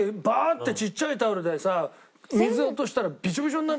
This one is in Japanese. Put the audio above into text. ッてちっちゃいタオルでさ水落としたらビチョビチョになっちゃう。